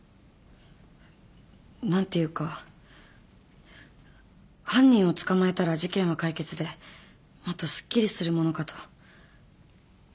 何ていうか犯人を捕まえたら事件は解決でもっとすっきりするものかと。